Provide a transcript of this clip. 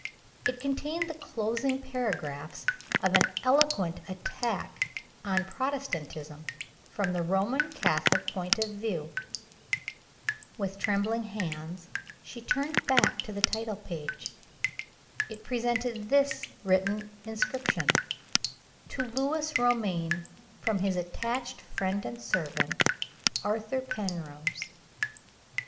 It contained the closing paragraphs of an eloquent attack on Protestantism, from the Roman Catholic point of view. With trembling hands she turned back to the title page. It presented this written inscription: "To Lewis Romayne from his attached friend and servant, Arthur Penrose."